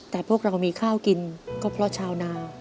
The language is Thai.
แต่พวกเรามีข้าวกินก็เพราะชาวนา